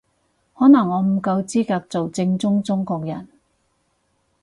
可能我唔夠資格做正宗中國人